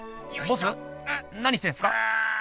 ボス何してんすか？